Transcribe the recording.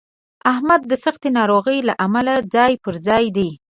احمد د سختې ناروغۍ له امله ځای په ځای دی.